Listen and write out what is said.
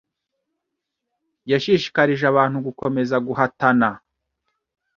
Yashishikarije abantu gukomeza guhatana